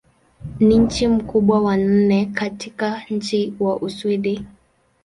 Ni mji mkubwa wa nne katika nchi wa Uswidi.